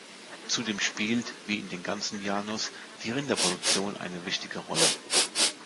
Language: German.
Zudem spielt wie in den ganzen Llanos die Rinderproduktion eine wichtige Rolle.